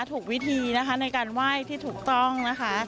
ถูกวิธีนะคะในการไหว้ที่ถูกต้องนะคะ